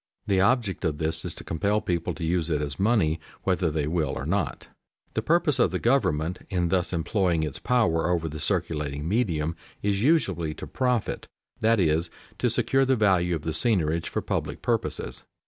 The object of this is to compel people to use it as money whether they will or not. The purpose of the government in thus employing its power over the circulating medium is usually to profit, that is, to secure the value of the seigniorage for public purposes.